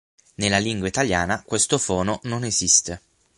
Nella lingua italiana questo fono non esiste.